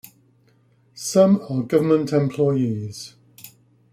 Some are government employees.